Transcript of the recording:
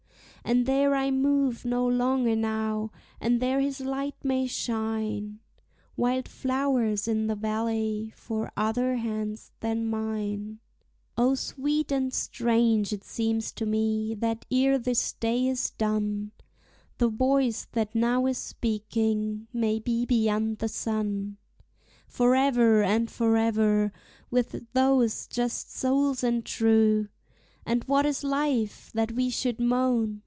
And there I move no longer now, and there his light may shine, Wild flowers in the valley for other hands than mine. O, sweet and strange it seems to me, that ere this day is done The voice that now is speaking may be beyond the sun, Forever and forever with those just souls and true, And what is life, that we should moan?